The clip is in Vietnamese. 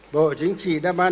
bộ chính trị đã ban